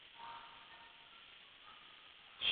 آیا موبایل د زده کړي په چټکتیا کي رول لري؟